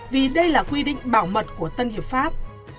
vì đây là quy định bảo mật của tân hiệp pháp